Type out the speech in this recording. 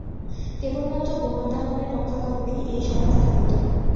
কেবলমাত্র গোমাতাগণের রক্ষাকল্পেই এই সভা স্থাপিত।